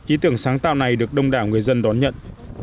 ý tưởng sáng tạo này được đông đảo người dân đón nhận